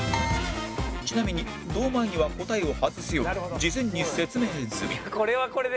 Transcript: ちなみに堂前には答えを外すよう事前に説明済み